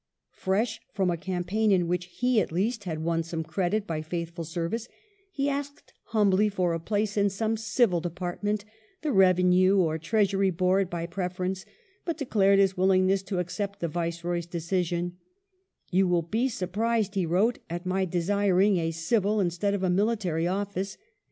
Fresh from a campaign in which he, at least, had won some credit by faithful service, he asked humbly for a place in some civil department, the Eevenue or Treasury Board by preference, but declared his wil lingness to accept the Viceroy's decisioa "You will be surprised," he wrote, " at my desiring a civil instead of a military office.